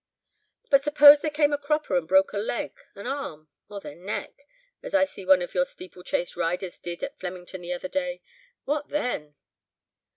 "But suppose they came a cropper and broke a leg, an arm, or their neck, as I see one of your steeplechase riders did at Flemington the other day, what then?"